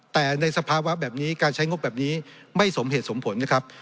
แต่ในสภาวะแบบนี้การใช้งบแบบนี้ไม่สมเหตุสมผลนะครับ